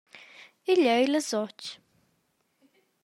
Igl ei las otg.